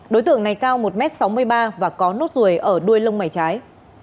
đối tượng này cao một m sáu mươi ba và có nốt ruồi ở đuôi lông mày trái